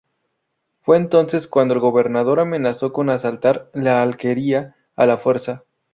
Fue entonces cuando el gobernador amenazó con asaltar la alquería a la fuerza.